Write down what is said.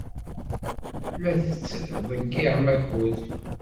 La tettḍeyyiɛeḍ akud.